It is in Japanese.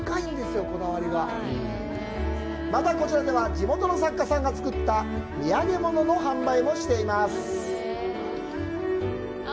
また、こちらでは地元の作家さんが作った土産物の販売もしています。